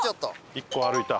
１個歩いた。